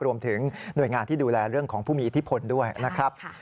รวมถึงหน่วยงานที่ดูแลเรื่องของผู้มีอิทธิพลด้วยนะครับ